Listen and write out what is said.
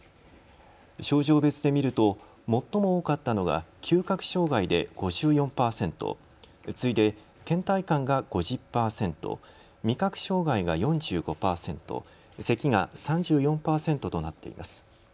症状別で見ると最も多かったのが嗅覚障害で５４％、次いでけん怠感が５０％、味覚障害が４５％、せきが３４％となっています。